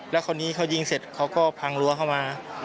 แล้วคราวนี้เขายิงเสร็จเขาก็พังรั้วเข้ามา